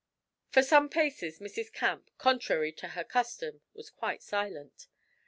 For some paces Mrs. Camp, contrary to her custom, was quite silent.